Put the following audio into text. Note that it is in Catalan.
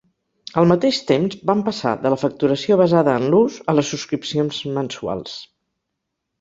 Al mateix temps, van passar de la facturació basada en l'ús a les subscripcions mensuals.